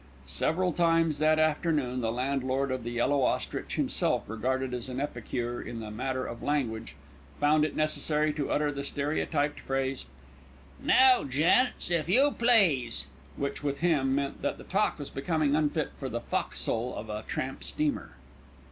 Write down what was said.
Several times that afternoon the landlord of The Yellow Ostrich, himself regarded as an epicure in the matter of "language," found it necessary to utter the stereotyped phrase, "Now gents, if you please," which, with him, meant that the talk was becoming unfit for the fo'c'sle of a tramp steamer.